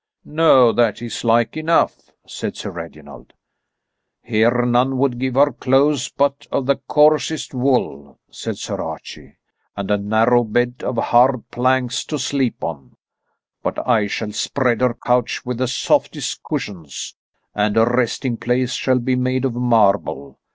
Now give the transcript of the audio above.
"No, that is like enough," said Sir Reginald. "Here none would give her clothes but of the coarsest wool," said Sir Archie, "and a narrow bed of hard planks to sleep on. But I shall spread her couch with the softest cushions, and her resting place shall be made of marble.